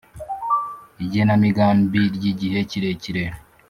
igenamigambi ry'igihe kirekire